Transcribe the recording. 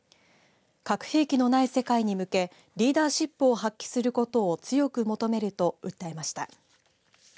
核兵器のない世界に向けリーダーシップを発揮することを強く求めると訴えました。